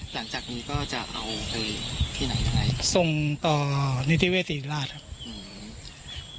หลังจากนี้ก็จะเอาไปที่ไหนยังไงส่งต่อนิติเวศีราชครับอืม